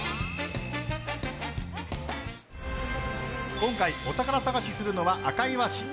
今回、お宝探しするのは赤磐市。